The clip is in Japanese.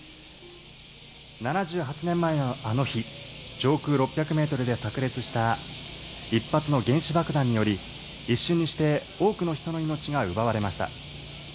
７８年前のあの日、上空６００メートルでさく裂した１発の原子爆弾により、一瞬にして多くの人の命が奪われました。